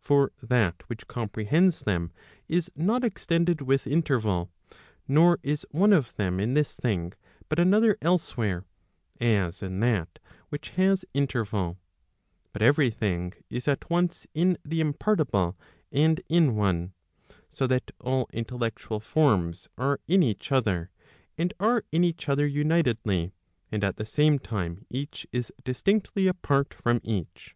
For that which comprehends them is not extended with interval, nor is one of them in this thing, but another elsewhere, as in that which has interval; but every thing is at once in the impartible and in one. So that all intellectual forms are in each other, and are in each other unitedly, and at the same time each is distinctly apart from each.